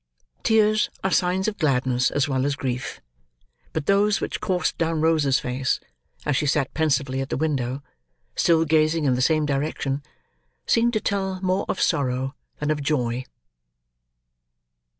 Tears are signs of gladness as well as grief; but those which coursed down Rose's face, as she sat pensively at the window, still gazing in the same direction, seemed to tell more of sorrow than of joy.